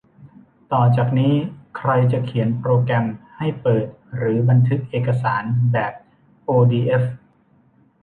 ต่อจากนี้ ใครจะเขียนโปรแกรมให้เปิดหรือบันทึกเอกสารแบบโอดีเอฟ